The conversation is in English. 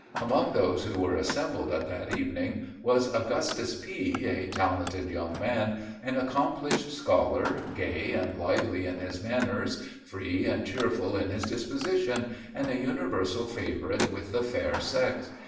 Among those who were assembled at that evening was Augustus P., a talented young man, and accomplished scholar, gay and lively in his manners, free and cheerful in his disposition, and a universal favorite with the fair sex.